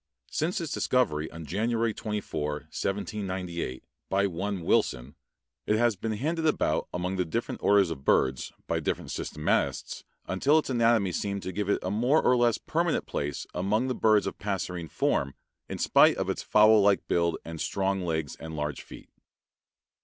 Since its discovery on January 24, 1798, by one Wilson, it has been handed about among the different orders of birds by different systematists until its anatomy seemed to give it a more or less permanent place among the birds of passerine form, in spite of its fowl like build and strong legs and large feet.